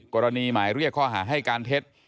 หมายเรียกข้อหาให้การเท็จ